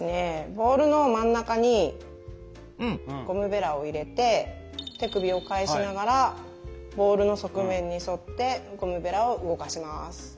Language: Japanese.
ボウルの真ん中にゴムベラを入れて手首を返しながらボウルの側面に沿ってゴムベラを動かします。